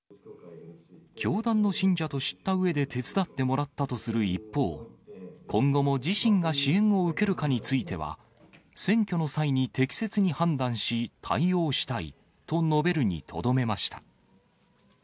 教団の信者と知ったうえで手伝ってもらったとする一方、今後も自身が支援を受けるかについては、選挙の際に適切に判断し、対応したいと述べるにとどめました。